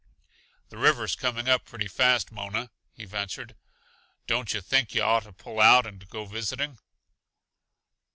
"The river's coming up pretty fast, Mona," he ventured. "Don't yuh think yuh ought to pull out and go visiting?"